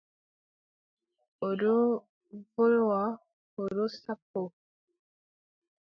O ɗon wolwa o ɗon sappoo.